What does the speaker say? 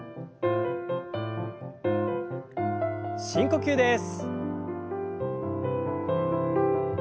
深呼吸です。